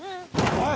おい！